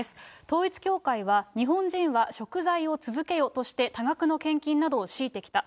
統一教会は、日本人は贖罪を続けよとして、多額の献金などを強いてきた。